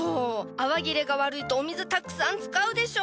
泡切れが悪いとお水たくさん使うでしょ！？